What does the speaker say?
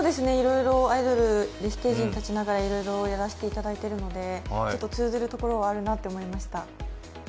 アイドルでステージに立ながらいろいろやらせていただいてるのでちょっと通ずるところがあるなと思いました。